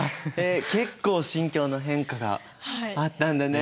結構心境の変化があったんだね！